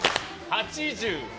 ８０。